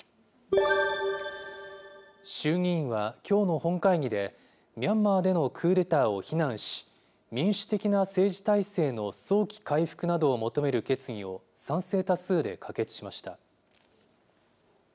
衆議院はきょうの本会議で、ミャンマーでのクーデターを非難し、民主的な政治体制の早期回復などを求める決議を賛成多数で可決しました。